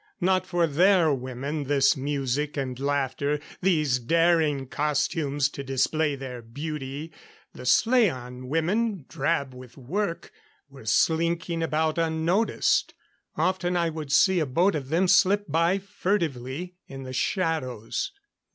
Not for their women, this music and laughter, these daring costumes to display their beauty. The slaan women, drab with work, were slinking about unnoticed. Often I would see a boat of them slip by, furtively, in the shadows.